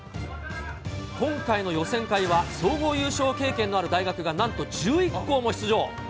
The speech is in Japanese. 今回の予選会は、総合優勝経験のある大学がなんと１１校も出場。